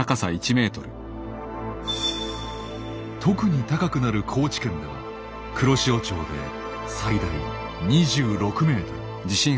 特に高くなる高知県では黒潮町で最大２６ｍ。